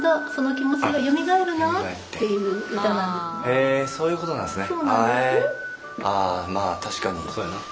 へえそういうことなんですね。